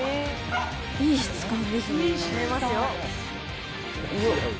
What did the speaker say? いい質感ですね。